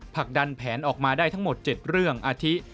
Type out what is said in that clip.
ผลักดันแผนออกมาได้ทั้งหมด๗เรื่องอาทิ